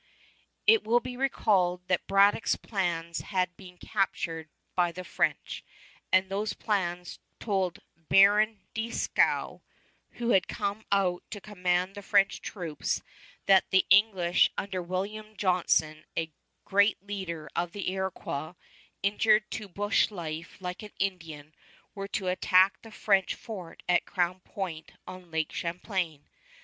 It will be recalled that Braddock's plans had been captured by the French, and those plans told Baron Dieskau, who had come out to command the French troops, that the English under William Johnson, a great leader of the Iroquois, inured to bush life like an Indian, were to attack the French fort at Crown Point on Lake Champlain.